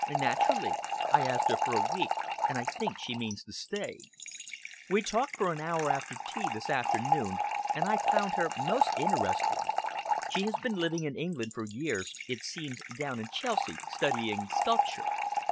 "Naturally. I asked her for a week, and I think she means to stay. We talked for an hour after tea this afternoon, and I found her most interesting. She has been living in England for years, it seems, down in Chelsea, studying sculpture."